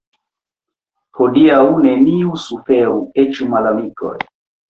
Hodiaŭ neniu suferu, eĉ malamikoj.